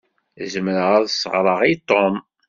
Zemreɣ ad s-ɣṛeɣ i Tom.